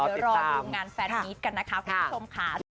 เดี๋ยวรอดูงานแฟนมิตกันนะคะคุณผู้ชมค่ะ